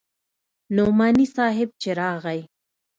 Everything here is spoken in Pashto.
نعماني صاحب چې راغى.